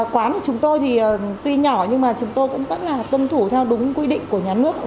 quán của chúng tôi thì tuy nhỏ nhưng chúng tôi cũng vẫn tuân thủ theo đúng quy định của nhà nước